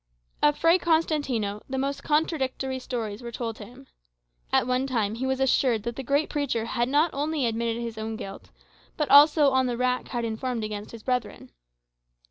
Of Fray Constantino, the most contradictory stories were told him. At one time he was assured that the great preacher had not only admitted his own guilt, but also, on the rack, had informed against his brethren.